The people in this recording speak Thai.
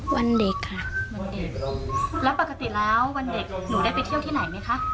วันเด็กค่ะวันเด็กแล้วปกติแล้ววันเด็กหนูได้ไปเที่ยวที่ไหนไหมคะ